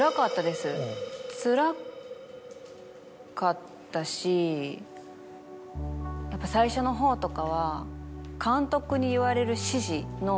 つらかったしやっぱ最初のほうとかは。